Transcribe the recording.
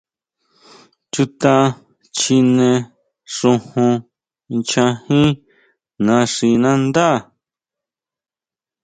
Chuta chine xojon ncha jín naxinandá.